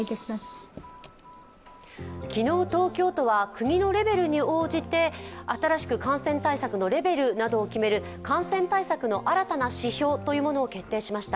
昨日、東京都は国のレベルに応じて新しく感染対策のレベルなどを決める感染対策の新たな指標を決定しました。